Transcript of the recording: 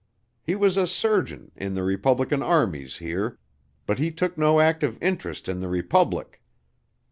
He was a surgeon in the Republican armies here, but he took no active interest in the Republic.